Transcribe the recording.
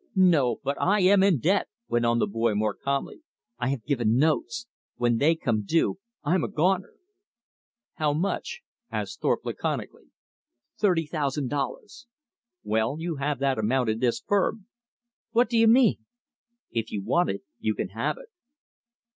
"No; but I am in debt," went on the boy more calmly. "I have given notes. When they come due, I'm a goner." "How much?" asked Thorpe laconically. "Thirty thousand dollars." "Well, you have that amount in this firm." "What do you mean?" "If you want it, you can have it."